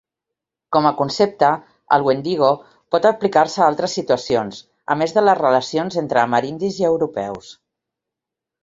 Com a concepte, el "wendigo" pot aplicar-se a altres situacions, a més de les relacions entre amerindis i europeus.